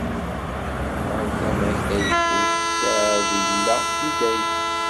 Ɣer tama-k tayeffust, sseɛd illa i dayem.